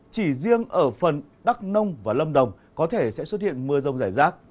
chỉ riêng ở phần đắk nông và lâm đồng có thể sẽ xuất hiện mưa rông rải rác